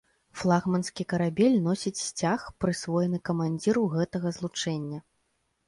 Флагманскі карабель носіць сцяг, прысвоены камандзіру гэтага злучэння.